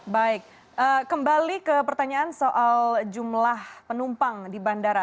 baik kembali ke pertanyaan soal jumlah penumpang di bandara